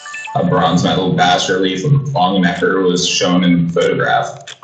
A bronze-medal bas-relief of Longenecker is shown in the photograph.